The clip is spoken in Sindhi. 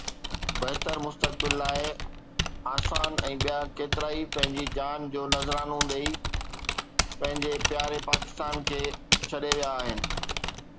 بهتر مستقبل لاءِ اسان ۽ ٻيا ڪيترائي پنهنجي جان جو نذرانو ڏئي پنهنجي پياري پاڪستان کي ڇڏي ويا آهن